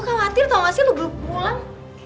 gue khawatir tau gak sih lo belum pulang